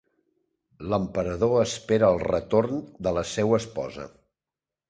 L'emperador espera el retorn de la seua esposa.